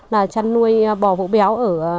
là chăn nuôi bò vũ béo